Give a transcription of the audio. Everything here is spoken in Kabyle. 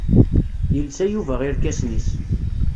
Yelsa Yuba irkasen-is.